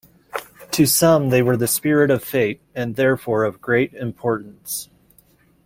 To some they were the spirit of fate, and therefore of great importance.